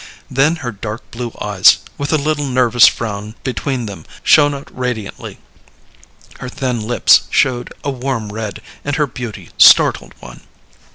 Then her dark blue eyes, with a little nervous frown between them, shone out radiantly; her thin lips showed a warm red, and her beauty startled one.